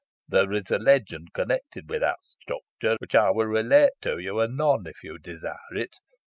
"There is a legend connected with that structure, which I will relate to you anon, if you desire it.